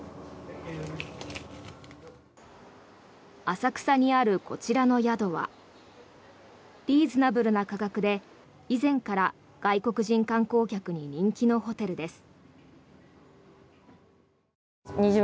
浅草にある、こちらの宿はリーズナブルな価格で以前から外国人観光客に人気のホテルです。